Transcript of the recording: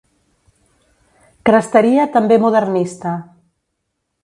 Cresteria també modernista.